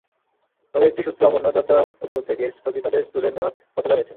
তবে একটি সূত্র অমরনাথ যাত্রার ওপর থেকে স্থগিতাদেশ তুলে নেওয়ার কথা জানিয়েছে।